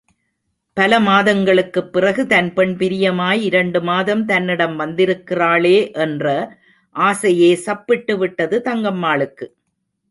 பல மாதங்களுக்குப் பிறகு தன் பெண் பிரியமாய் இரண்டு மாதம் தன்னிடம் வந்திருக்கிறாளே என்ற ஆசையே சப்பிட்டுவிட்டது தங்கம்மாளுக்கு.